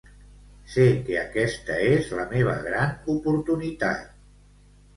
Sé que aquesta és la meva gran oportunitat.